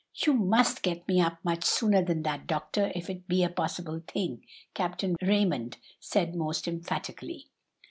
"You must get me up much sooner than that, doctor, if it be a possible thing," Captain Raymond said most emphatically.